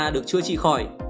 được chữa trị khỏi